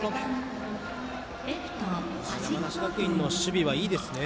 山梨学院の守備はいいですね。